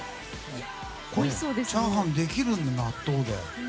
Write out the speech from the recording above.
チャーハンできるんだ納豆で。